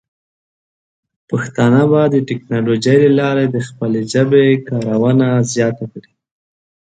پښتانه به د ټیکنالوجۍ له لارې د خپلې ژبې کارونه زیات کړي.